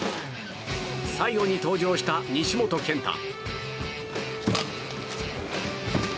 最後に登場した西本拳太。